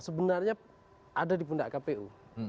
sebenarnya ada di pundak kpu